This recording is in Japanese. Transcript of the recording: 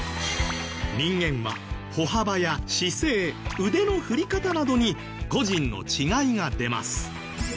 人間は歩幅や姿勢腕の振り方などに個人の違いが出ます。